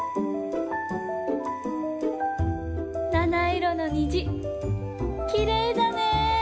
７いろのにじきれいだね。